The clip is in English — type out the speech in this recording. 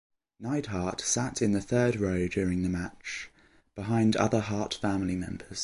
Neidhart sat in the third row during the match, behind other Hart family members.